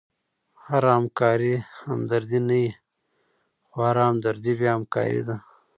هره همکاري همدردي نه يي؛ خو هره همدردي بیا همکاري ده.